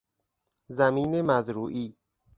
زمین مزروعی